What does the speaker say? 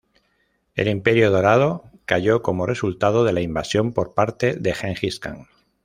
El Imperio Dorado cayó como resultado de la invasión por parte de Gengis Kan.